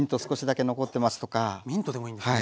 ミントでもいいんですね。